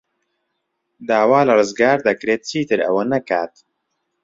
داوا لە ڕزگار دەکرێت چیتر ئەوە نەکات.